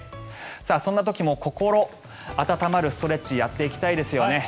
そんな時も心温まるストレッチやっていきたいですよね